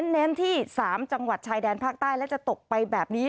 เน้นที่๓จังหวัดชายแดนภาคใต้และจะตกไปแบบนี้